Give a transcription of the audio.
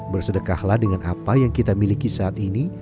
bersedekahlah dengan apa yang kita miliki saat ini